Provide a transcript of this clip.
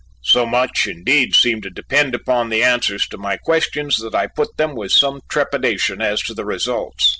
So much indeed seemed to depend upon the answers to my questions that I put them with some trepidation as to the results.